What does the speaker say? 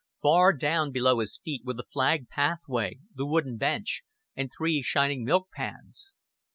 Far down below his feet were the flagged pathway, the wooden bench, and three shining milk pans.